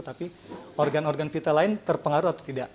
tapi organ organ vital lain terpengaruh atau tidak